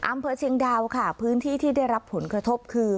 อำเภอเชียงดาวค่ะพื้นที่ที่ได้รับผลกระทบคือ